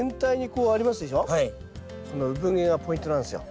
このうぶ毛がポイントなんですよ。